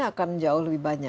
jadi komponen elektroniknya